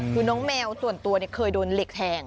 คือน้องแมวส่วนตัวเคยโดนเหล็กแหง